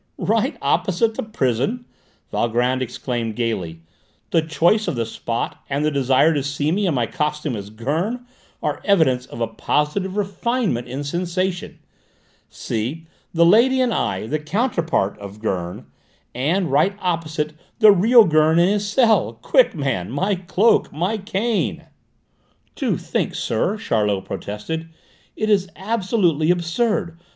"Right opposite the prison!" Valgrand exclaimed gaily. "The choice of the spot, and the desire to see me in my costume as Gurn, are evidence of a positive refinement in sensation! See? The lady, and I the counterpart of Gurn and, right opposite, the real Gurn in his cell! Quick, man: my cloak! My cane!" "Do think, sir," Charlot protested: "it is absolutely absurd!